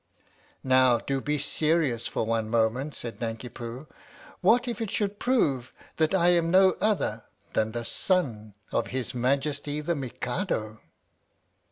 " Now do be serious for one moment," said Nanki Poo. " What if it should prove that I am no other than the SON OF HIS MAJESTY THE MIKADO!"